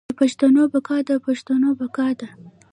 د پښتو بقا د پښتنو بقا ده.